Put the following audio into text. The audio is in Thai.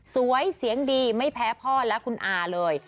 เสียงดีไม่แพ้พ่อและคุณอาเลย